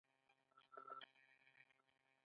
• ته د سکون غېږه یې.